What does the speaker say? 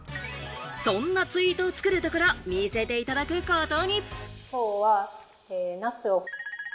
そんなツイートを作るところを見せていただくことに。